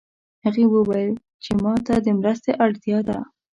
هغې وویل چې ما ته د مرستې اړتیا ده